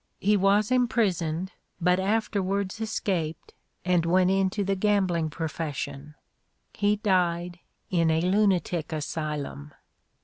He was imprisoned, but afterwards escaped and went into the gambling profession. He died in a lunatic asylum.